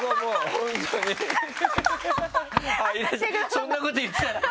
そんなこと言ってたら。